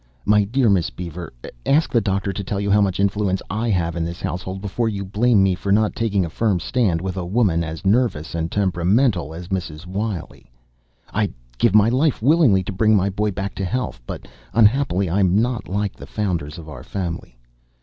My dear Miss Beaver, ask the doctor to tell you how much influence I have in this household, before you blame me for not taking a firm stand with a woman as nervous and temperamental as Mrs. Wiley. I'd give my life willingly to bring my boy back to health but unhappily I'm not like the founders of our family.